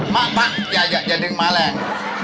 มาอย่าดึงม้าแหล่ง